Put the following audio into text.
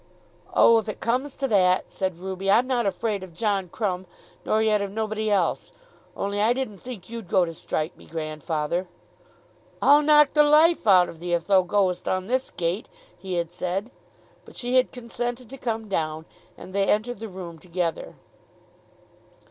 "Oh, if it comes to that," said Ruby, "I'm not afraid of John Crumb, nor yet of nobody else. Only I didn't think you'd go to strike me, grandfather." "I'll knock the life out of thee, if thou goest on this gate," he had said. But she had consented to come down, and they entered the room together.